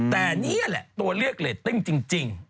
แต่นี่แหละตัวเลือกเรตติ้งจริง